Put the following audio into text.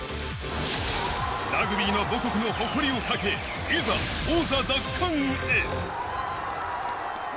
ラグビーの母国の誇りをかけ、いざ王座奪還へ。